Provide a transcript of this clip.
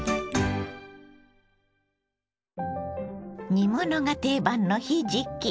煮物が定番のひじき。